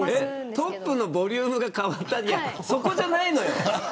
トップのボリュームが変わったって、そこじゃないの。